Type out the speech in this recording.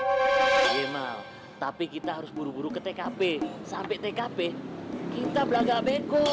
iya mal tapi kita harus buru buru ke tkp sampe tkp kita beragak bekok